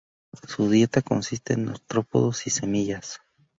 Su dieta consiste de artrópodos y semillas.